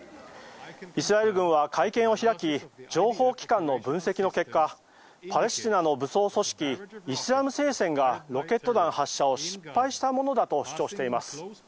イスラエル軍は会見を開き情報機関の分析の結果パレスチナの武装組織イスラム聖戦がロケット弾発射を失敗したものだと主張しています。